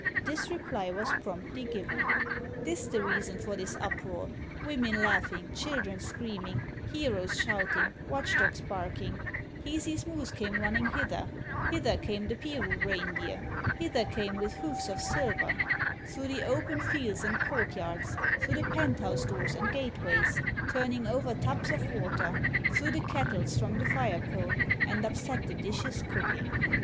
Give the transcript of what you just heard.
This reply was promptly given: "This the reason for this uproar, Women laughing, children screaming, Heroes shouting, watch dogs barking: Hisi's moose came running hither, Hither came the Piru Reindeer, Hither came with hoofs of silver, Through the open fields and court yards, Through the penthouse doors and gate ways, Turning over tubs of water, Threw the kettles from the fire pole, And upset the dishes cooking."